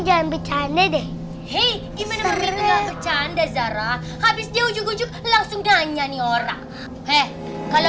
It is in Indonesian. jangan bercanda deh hey ini bener bener bercanda zara habis dia ujung ujung langsung tanya nih orang